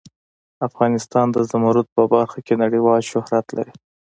افغانستان د زمرد په برخه کې نړیوال شهرت لري.